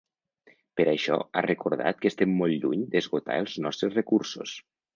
Per això ha recordat que estem molt lluny d’esgotar els nostres recursos.